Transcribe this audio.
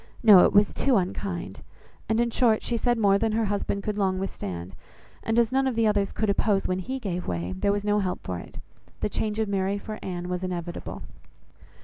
No, it was too unkind. And in short, she said more than her husband could long withstand, and as none of the others could oppose when he gave way, there was no help for it; the change of Mary for Anne was inevitable.